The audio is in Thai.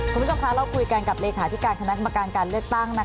คุณผู้ชมคะเรากุญการกับเลขาที่การรัฐมงันการเลือกตั้งนะคะ